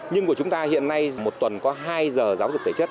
nhưng của chúng ta hiện nay một tuần có hai giờ giáo dục thể chất